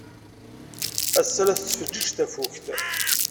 Ass-a, la tettfeǧǧiǧ tafukt.